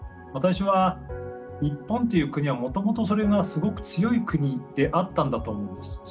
私は日本という国はもともとそれがすごく強い国であったんだと思うんです。